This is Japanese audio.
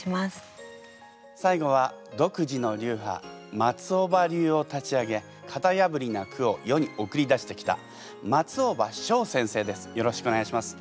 最後は独自の流派松尾葉流を立ち上げ型破りな句を世に送り出してきた松尾葉翔先生です。